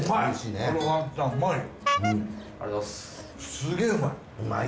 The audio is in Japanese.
すげぇうまい。